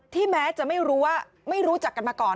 ที่แม้จะไม่รู้จักกันมาก่อน